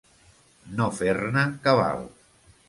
No fer-ne cabal.